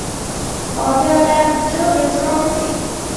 四年卒。